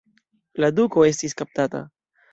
La duko estis kaptata.